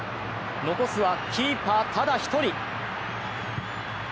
残すはキーパーただ一人。